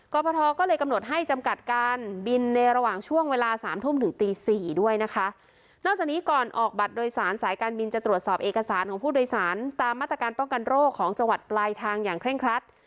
พทก็เลยกำหนดให้จำกัดการบินในระหว่างช่วงเวลาสามทุ่มถึงตีสี่ด้วยนะคะนอกจากนี้ก่อนออกบัตรโดยสารสายการบินจะตรวจสอบเอกสารของผู้โดยสารตามมาตรการป้องกันโรคของจังหวัดปลายทางอย่างเคร่งครัด